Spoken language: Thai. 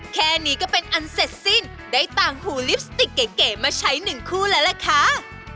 แค่นี้ก็เป็นอันเสร็จสิ้นได้ต่างหูลิปสติกเก๋มาใช้หนึ่งคู่แล้วล่ะค่ะ